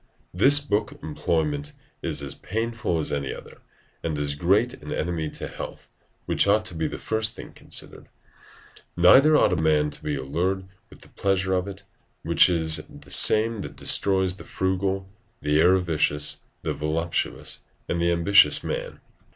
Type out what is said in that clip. ] This book employment is as painful as any other, and as great an enemy to health, which ought to be the first thing considered; neither ought a man to be allured with the pleasure of it, which is the same that destroys the frugal, the avaricious, the voluptuous, and the ambitious man.